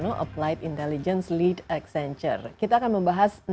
nah ini bapak bapak ini adalah pertanyaan yang terakhir yang kita ingin diperhatikan